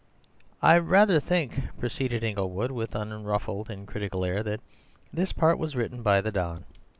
"I rather think," proceeded Inglewood with an unruffled and critical air, "that this part was written by the don.